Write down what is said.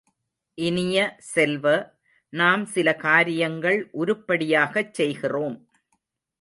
இனிய செல்வ, நாம் சில காரியங்கள் உருப்படியாகச் செய்கிறோம்!